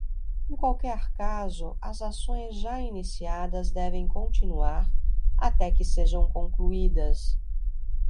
Em qualquer caso, as ações já iniciadas devem continuar até que sejam concluídas.